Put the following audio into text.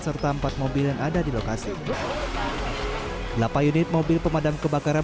serta empat mobil yang ada di lokasi delapan unit mobil pemadam kebakaran